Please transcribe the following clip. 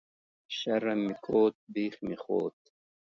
شرم مې کوت ، بيخ مې خوت